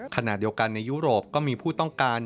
ขณะเดียวกันในยุโรปก็มีผู้ต้องการ